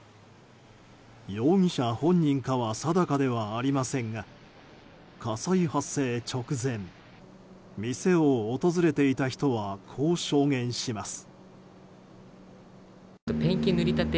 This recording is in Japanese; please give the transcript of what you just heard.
容疑者本人かは定かではありませんが火災発生直前店を訪れていた人はこう証言します。